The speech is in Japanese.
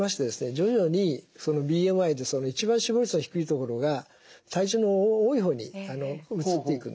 徐々にＢＭＩで一番死亡率が低いところが体重の多い方に移っていくんですね。